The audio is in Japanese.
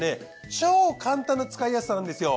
超簡単な使いやすさなんですよ。